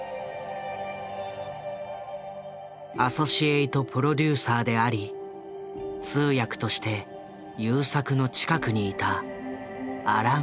アソシエイト・プロデューサーであり通訳として優作の近くにいたアラン・プールだ。